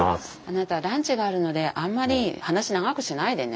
あなたランチがあるのであんまり話長くしないでね。